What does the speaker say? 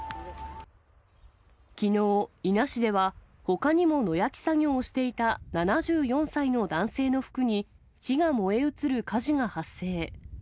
きのう、伊那市ではほかにも野焼き作業をしていた７４歳の男性の服に、火が燃え移る火事が発生。